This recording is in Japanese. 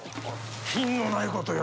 品のないことよ。